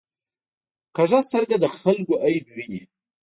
کوږه سترګه د خلکو عیب ویني